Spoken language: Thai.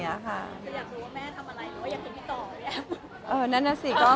อยากรู้ว่าแม่ทำอะไรอยากได้พี่ต่อเลยแอบ